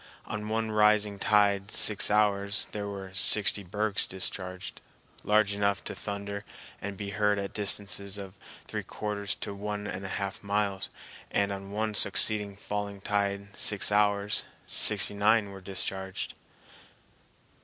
On one rising tide, six hours, there were sixty bergs discharged, large enough to thunder and be heard at distances of from three quarters to one and a half miles; and on one succeeding falling tide, six hours, sixty nine were discharged.